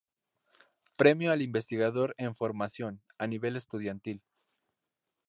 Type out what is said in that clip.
Premio al Investigador en Formación, a nivel estudiantil.